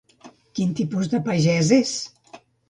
Quin tipus de pagès és?